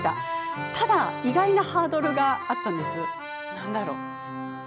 ただ意外なハードルがあったんです。